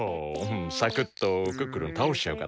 サクッとクックルンたおしちゃうから。